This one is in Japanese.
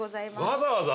わざわざ⁉